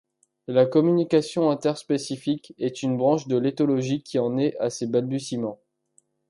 La communication interspécifique est une branche de l'éthologie qui en est à ses balbutiements.